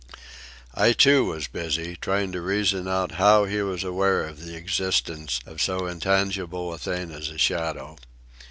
I, too, was busy, trying to reason out how he was aware of the existence of so intangible a thing as a shadow.